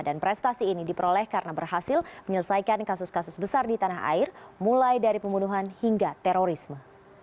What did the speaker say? dan prestasi ini diperoleh karena berhasil menyelesaikan kasus kasus besar di tanah air mulai dari pembunuhan hingga terorisme